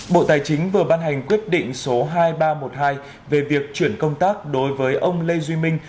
bộ tài chính vừa ban hành quyết định số hai nghìn ba trăm một mươi hai về việc chuyển công tác đối với ông lê duy minh